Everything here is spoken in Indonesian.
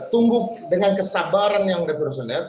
tunggu dengan kesabaran yang reversioner